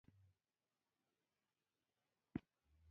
ترکستان خلک یې تر شا ودرېدل.